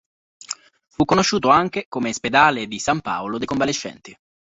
Fu conosciuto anche come Spedale di San Paolo dei Convalescenti.